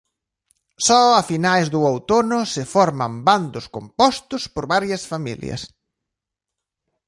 Só a finais do outono se forman bandos compostos por varias familias.